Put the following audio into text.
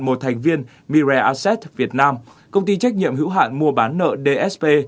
một thành viên mirai assets việt nam công ty trách nhiệm hữu hạn mua bán nợ dsp